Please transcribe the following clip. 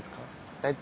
大体。